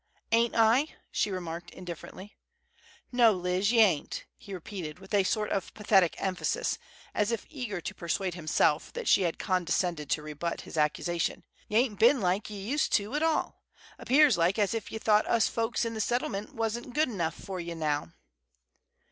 "Ain't I?" she remarked, indifferently. "No, Liz, ye ain't," he repeated, with a sort of pathetic emphasis, as if eager to persuade himself that she had condescended to rebut his accusation. "Y' ain't been like ye used to at all. Appears like as if ye thought us folks in the Settlement wasn't good enough fer ye now."